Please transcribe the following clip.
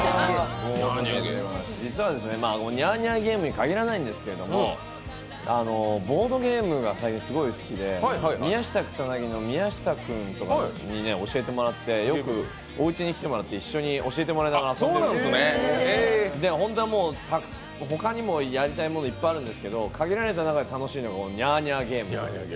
実はニャーニャーゲームに限らないんですけどボードゲームが最近すごい好きで宮下草薙の宮下君に教えてもらって、よくおうちに来てもらって一緒に教えてもらいながら遊んでるんですけど、本当は、他にもやりたいものいっぱいあるんですけど限られた中で楽しめるのはニャーニャーゲームでございます。